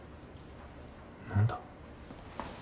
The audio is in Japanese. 何だ？